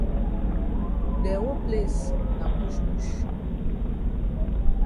De whole place na bush bush.